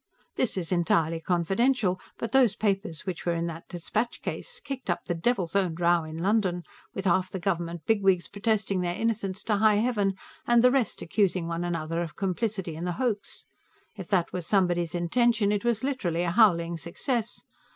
This is entirely confidential, but those papers which were in that dispatch case kicked up the devil's own row in London, with half the government bigwigs protesting their innocence to high Heaven, and the rest accusing one another of complicity in the hoax. If that was somebody's intention, it was literally a howling success.